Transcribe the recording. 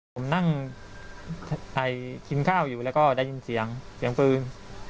ผมนั่งกินข้าวอยู่แล้วก็ได้ยินเสียงเสียงปืน